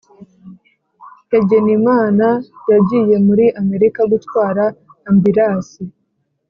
Hegimana yagiye muri amerika gutwara ambilasi